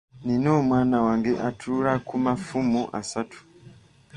Nina omwana wange atuula ku mafumu asatu.